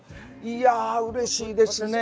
いやうれしいですね。